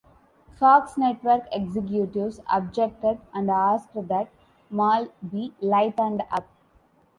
Fox network executives objected, and asked that Mal be "lightened up".